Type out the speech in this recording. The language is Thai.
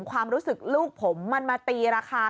ความรู้สึกลูกผมมันมาตีราคา